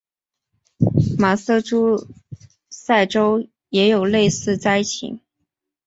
马萨诸塞州也有类似灾情。